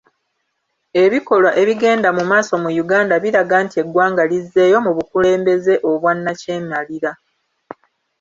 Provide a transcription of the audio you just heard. Ebikolwa ebigenda mu maaso mu "Uganda" biraga nti eggwanga lizzeeyo mu bukulembeze obwannakyemalira.